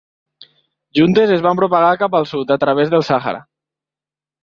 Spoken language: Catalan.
Juntes es van propagar cap al sud, a través del Sàhara.